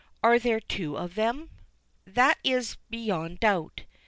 Are there two of them? That is beyond doubt.